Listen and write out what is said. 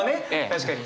確かに。